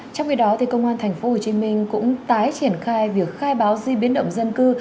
trong khi đó công an thành phố hồ chí minh cũng tái triển khai việc khai báo di biến động dân cư